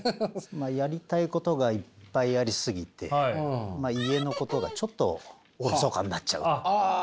まあやりたいことがいっぱいありすぎてまあ家のことがちょっとおろそかになっちゃうですかね。